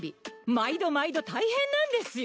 毎度毎度大変なんですよ。